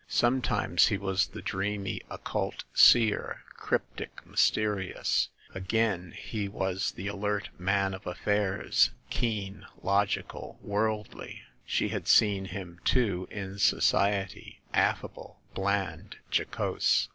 Sometimes he was the dreamy oc cult Seer, cryptic, mysterious; again he was the alert man of affairs, keen, logical, worldly. She had seen him, too, in society, affable, bland, jocose.